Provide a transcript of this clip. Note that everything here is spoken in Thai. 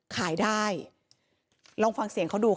ขายได้ลองฟังเสียงเขาดูค่ะ